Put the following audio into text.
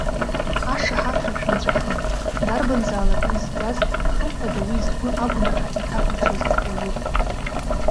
Ашаҳаҭра шәымҵәахын. Дарбанзаалак уи зӡаз, хымԥада уи згәы агәнаҳа иҭахәаҽыз уаҩуп.